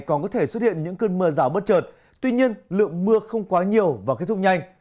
còn có thể xuất hiện những cơn mưa rào bất chợt tuy nhiên lượng mưa không quá nhiều và kết thúc nhanh